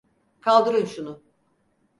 Kaldırın şunu!